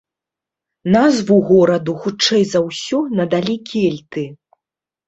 Назву гораду, хутчэй за ўсё, надалі кельты.